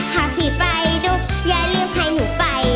ถ้าพี่ไปดูอย่าลืมให้หนูไปด้วย